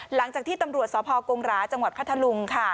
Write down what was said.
หลังจากที่ตำรวจสพกงราจังหวัดพัทธลุงค่ะ